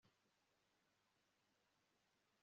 mu mwanzuro wayo wo ku itariki ya ukuboza